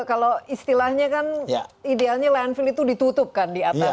kalau istilahnya kan idealnya landfill itu ditutupkan di atasnya